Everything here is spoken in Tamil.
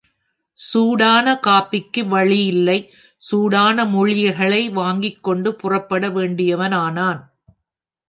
சூடான காப்பிக்கு வழியில்லை சூடான மொழிகளை வாங்கிக்கொண்டு புறப்பட வேண்டியவன் ஆனான்.